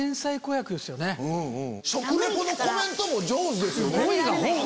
食リポのコメントも上手ですよね。